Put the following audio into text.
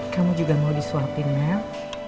kamu juga mau disuapin mel